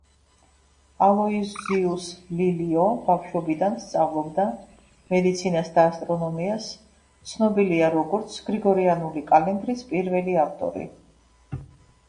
ალოიზიუს ლილიო ბავშობიდან სწავლობდა მედიცინას და ასტრონომიას, ცნობილია როგორც გრიგორიანული კალენდრის პირველი ავტორი.